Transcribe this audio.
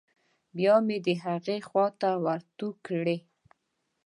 بيا مې د هغې خوا ته ورتو کړې.